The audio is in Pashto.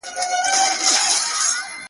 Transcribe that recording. د نېستۍ قصور یې دی دغه سړی چي-